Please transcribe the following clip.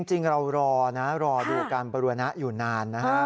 จริงเรารอนะรอดูการบริวณะอยู่นานนะฮะ